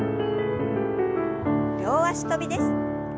両脚跳びです。